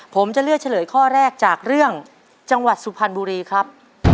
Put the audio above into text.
ผมจะเลือกเฉลยข้อแรกจากเรื่องจังหวัดสุพรรณบุรีครับ